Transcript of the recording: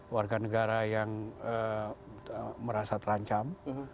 warga negara yang merasa terancam